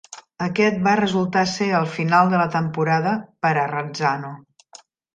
Aquest va resultar ser el final de la temporada per a Razzano.